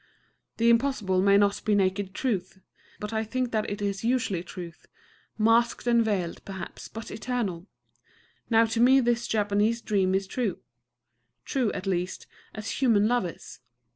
The Impossible may not be naked truth; but I think that it is usually truth, masked and veiled, perhaps, but eternal. Now to me this Japanese dream is true, true, at least, as human love is.